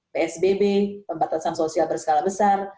psbb pembatasan sosial berskala besar